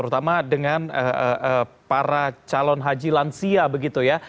terutama dengan para calon haji lansia begitu ya